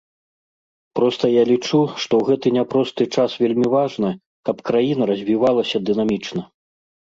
Проста я лічу, што ў гэты няпросты час вельмі важна, каб краіна развівалася дынамічна.